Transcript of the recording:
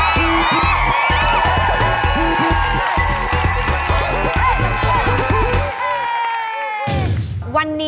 ดวงชะตา